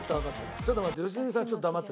ちょっと待って。